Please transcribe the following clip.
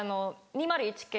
２０１系。